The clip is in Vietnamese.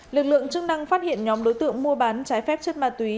lực lượng chức năng phát hiện nhóm đối tượng mua bán trái phép chất ma túy